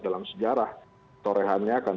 dalam sejarah torehannya akan